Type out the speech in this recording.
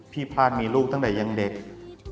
พี่พลานมีลูกตั้งแต่ยังไง